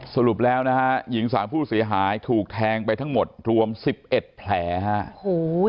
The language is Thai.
สรุปแล้วนะฮะหญิงสาวผู้เสียหายถูกแทงไปทั้งหมดรวม๑๑แผลฮะโอ้โห